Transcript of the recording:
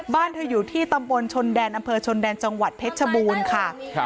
บ้านเธออยู่ที่ตำบลชนแดนอำเภอชนแดนจังหวัดเพชรชบูรณ์ค่ะครับ